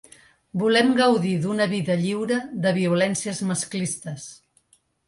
Volem gaudir d’una vida lliure de violències masclistes.